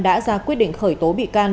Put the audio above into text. đã ra quyết định khởi tố bị can